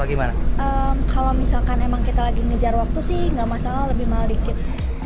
kalau misalkan kita sedang mengejar waktu tidak masalah lebih mahal sedikit